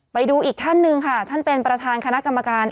ไปดูอีกท่านหนึ่งค่ะท่านเป็นประธานคณะกรรมการ